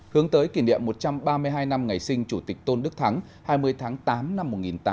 hướng tới kỷ niệm một trăm ba mươi hai năm ngày sinh chủ tịch tôn đức thắng hai mươi tháng tám năm một nghìn tám trăm năm mươi